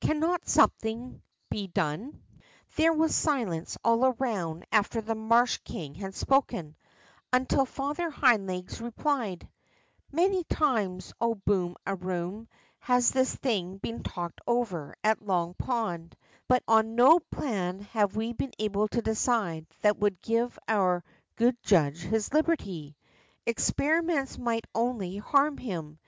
Cannot something he done ?'' There was silence all around after the marsh king had spoken, until Father Hind Legs replied: Many times, O Boom a Eoom, has this thing been talked over at Long Pond, but on no plan have we been able to decide that would give our good judge his liberty. Experiments might only hann him.